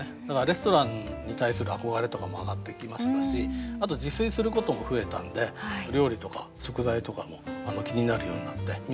だからレストランに対する憧れとかも上がってきましたしあと自炊することも増えたんで料理とか食材とかも気になるようになって。